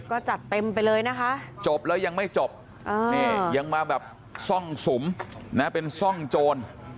ก็จัดเต็มไปเลยนะคะจบแล้วยังไม่จบยังมาแบบซ่องสุมนะเป็นซ่องโจร